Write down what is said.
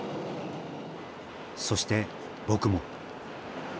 そして僕も。